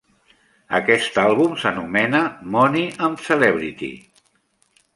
Aquest àlbum s'anomena "Money and Celebrity".